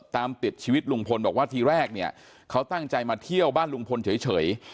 ตามติดชีวิตลุงพลบอกว่าทีแรกเนี่ยเขาตั้งใจมาเที่ยวบ้านลุงพลเฉย